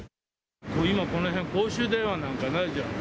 もう今この辺、公衆電話なんかないじゃん。